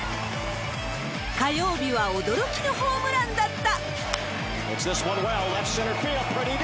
火曜日は、驚きのホームランだった。